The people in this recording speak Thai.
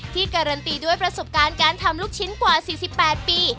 การันตีด้วยประสบการณ์การทำลูกชิ้นกว่า๔๘ปี